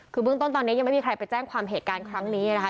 คือเบื้องต้นตอนนี้ยังไม่มีใครไปแจ้งความเหตุการณ์ครั้งนี้นะคะ